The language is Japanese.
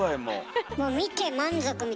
もう見て満足みたいな。